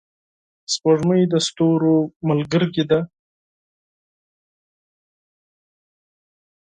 سپوږمۍ د ستورو ملګرې ده.